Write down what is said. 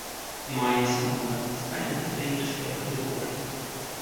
Мае самыя разнастайныя трэнерскія катэгорыі.